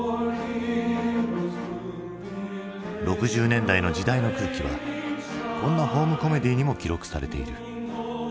６０年代の時代の空気はこんなホームコメディーにも記録されている。